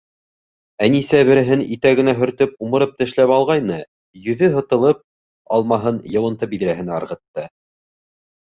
Әнисә береһен итәгенә һөртөп, умырып тешләп алғайны, йөҙө һытылып, алмаһын йыуынты биҙрәһенә ырғытты.